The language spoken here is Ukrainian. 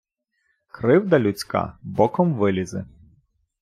Кривда людська боком вилізе.